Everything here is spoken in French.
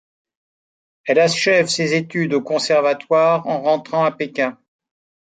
Elle achève ses études au Conservatoire en rentrant à Pékin.